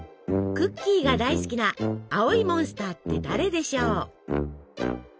クッキーが大好きな青いモンスターって誰でしょう？